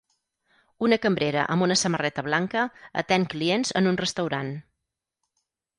Una cambrera amb una samarreta blanca atén clients en un restaurant.